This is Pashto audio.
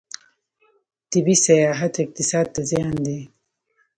طبي سیاحت اقتصاد ته زیان دی.